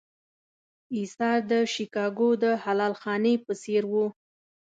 اېثار د شیکاګو د حلال خانې په څېر و.